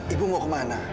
ibu mau kemana